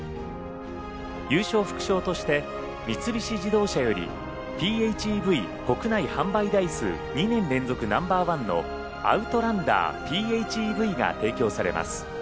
優勝副賞として三菱自動車よりＰＨＥＶ国内販売台数２年連続ナンバー１のアウトランダーＰＨＥＶが提供されます。